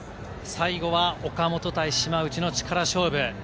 最後は岡本対島内の力勝負。